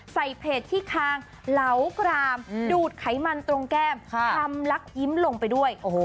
เพจที่คางเหลากรามดูดไขมันตรงแก้มทำลักยิ้มลงไปด้วย